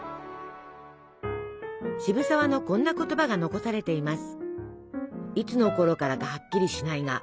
渋沢のこんな言葉が残されています。